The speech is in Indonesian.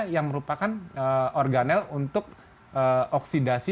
yang merupakan organel untuk oksidasi